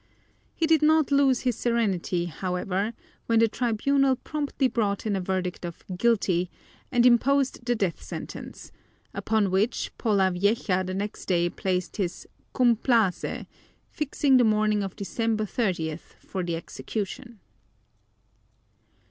He did not lose his serenity, however, even when the tribunal promptly brought in a verdict of guilty and imposed the death sentence, upon which Polavieja the next day placed his Cúmplase, fixing the morning of December thirtieth for the execution.